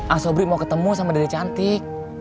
asobrik mau ketemu sama dede cantik